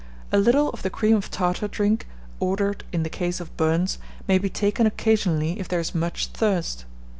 A little of the cream of tartar drink, ordered in the case of burns, may be taken occasionally if there is much thirst.